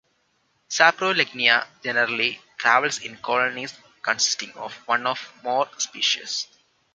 Saprolegnia generally travels in colonies consisting of one or more species.